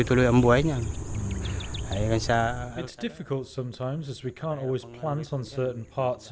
terkadang agak sulit karena kita tidak bisa menanam di beberapa bagian dari hutan kita